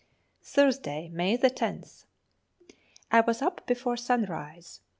Thursday, May 10th. I was up before sunrise.